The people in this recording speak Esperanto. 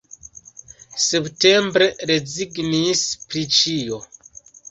Septembre rezignis pri ĉio.